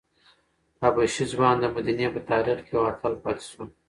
حبشي ځوان د مدینې په تاریخ کې یو اتل پاتې شو.